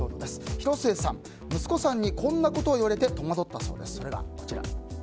広末さん、息子さんにこんなことを言われて戸惑ったそうです。